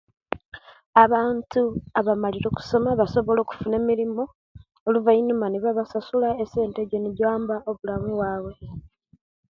Abantu abamalire okusoma basobola okufuna emirimu oluvanyuma nebaba sasula esente ejo nejiyamba obulamu bwaibwe